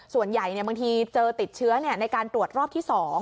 ส่วนใหญ่บางทีเจอติดเชื้อในการตรวจรอบที่๒